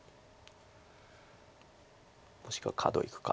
もしくはカドいくか。